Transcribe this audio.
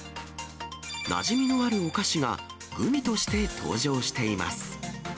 なじみのあるお菓子が、グミとして登場しています。